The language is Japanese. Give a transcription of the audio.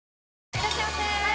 いらっしゃいませ！